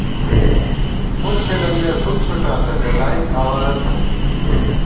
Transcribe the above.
مُک کھېلېنگَئ فُک څُھٹاتہ گلائېک اَوارہ تھنَئیم